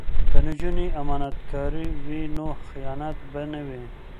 که نجونې امانتکارې وي نو خیانت به نه وي.